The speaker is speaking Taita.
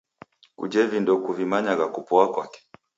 Kujhe vindo kuvimanyagha kupoa kwake